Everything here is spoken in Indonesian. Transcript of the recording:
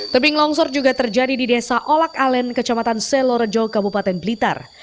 tebing longsor juga terjadi di desa olak alen kecamatan selorejo kabupaten blitar